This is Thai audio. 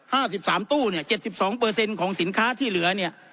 ห้าสิบสามตู้เนี่ยเจ็ดสิบสองเปอร์เซ็นต์ของสินค้าที่เหลือเนี่ย